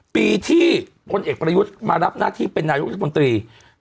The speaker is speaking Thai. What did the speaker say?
ปีที่พลเอกประยุทธ์มารับหน้าที่เป็นนายกรัฐมนตรี